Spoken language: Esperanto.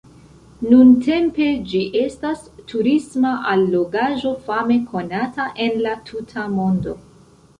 Nuntempe ĝi estas turisma allogaĵo fame konata en la tuta mondo.